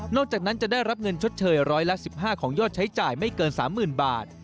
จากนั้นจะได้รับเงินชดเชยร้อยละ๑๕ของยอดใช้จ่ายไม่เกิน๓๐๐๐บาท